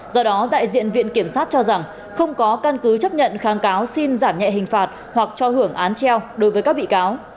do đó đại diện viện kiểm sát cho rằng không có căn cứ chấp nhận kháng cáo xin giảm nhẹ hình phạt hoặc cho hưởng án treo đối với các bị cáo